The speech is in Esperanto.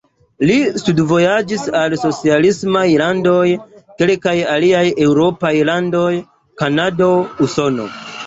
Li studvojaĝis al la socialismaj landoj, kelkaj aliaj eŭropaj landoj, Kanado, Usono.